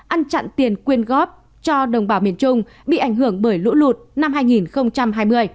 ăn chặn tiền quyên góp cho đồng bào miền trung bị ảnh hưởng bởi lũ lụt năm hai nghìn hai mươi